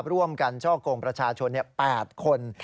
ร่วมกันช่อกงประชาชน๘คน